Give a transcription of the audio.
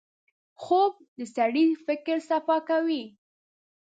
خوب د سړي فکر صفا کوي